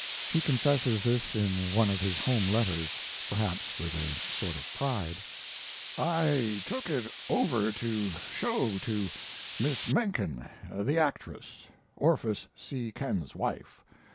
He confesses this in one of his home letters, perhaps with a sort of pride. I took it over to show to Miss Menken the actress, Orpheus C. Ken's wife.